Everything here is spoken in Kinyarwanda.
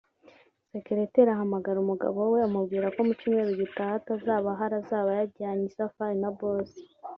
sekereteri ahamagara umugabo we amubwira ko mu cyumweru gitaha atazaba ahari azaba yajyanye isafari na boss